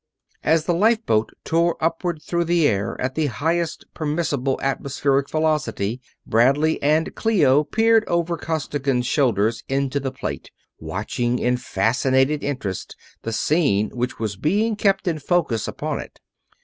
As the lifeboat tore upward through the air at the highest permissible atmospheric velocity Bradley and Clio peered over Costigan's shoulders into the plate, watching in fascinated interest the scene which was being kept in focus upon it.